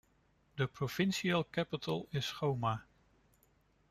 The provincial capital is Choma.